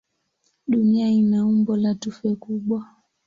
Dunia ina umbo la tufe kubwa.